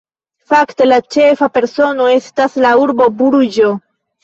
Fakte, la ĉefa persono estas la urbo Bruĝo.